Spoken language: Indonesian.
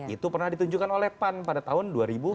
itu pernah ditunjukkan oleh pan pada tahun dua ribu empat